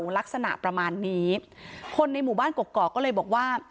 ลักษณะประมาณนี้คนในหมู่บ้านกกอกก็เลยบอกว่า